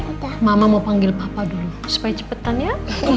oh mama mau panggil papa dulu supaya cepetan ya